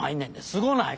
すごない？